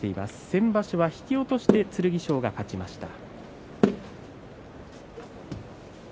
先場所は引き落としで剣翔が勝ちました。